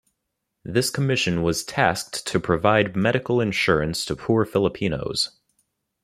This commission was tasked to provide medical insurance to poor Filipinos.